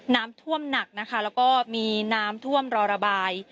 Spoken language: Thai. น้ำท่วมหนักนะคะแล้วก็มีน้ำท่วมรอระบาย